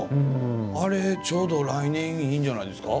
あれ、ちょうど来年いいんじゃないですか。